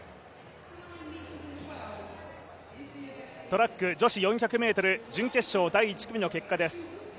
トラック女子４００ｍ準決勝第１組の結果です。